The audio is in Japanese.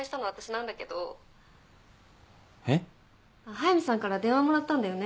速見さんから電話もらったんだよね